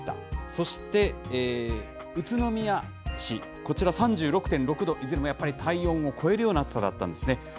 そして宇都宮市、こちら３６．６度、いずれもやっぱり体温を超えるような暑さだったんですね。